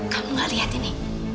kamu nggak lihat ini